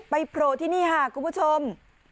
โผล่ที่นี่ค่ะคุณผู้ชม